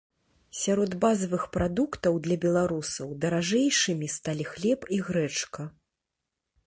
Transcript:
Сярод базавых прадуктаў для беларусаў даражэйшымі сталі хлеб і грэчка.